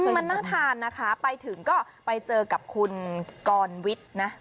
มันน่าทานนะคะ